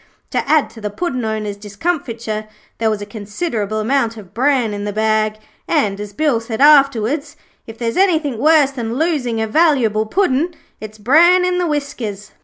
To add to the Puddin' owners' discomfiture there was a considerable amount of bran in the bag; and, as Bill said afterwards, 'if there's anything worse than losing a valuable Puddin', it's bran in the whiskers'.